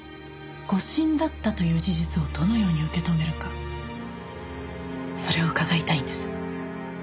誤審だったという事実をどのように受け止めるかそれを伺いたいんです。